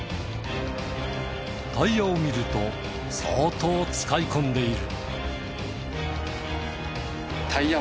タイヤを見ると相当使い込んでいる。